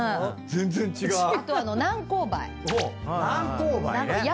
全然違うね。